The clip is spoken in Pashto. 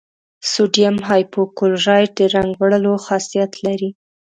سوډیم هایپو کلورایټ د رنګ وړلو خاصیت لري.